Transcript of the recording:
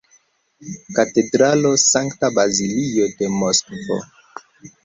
Katedralo Sankta Bazilio de Moskvo.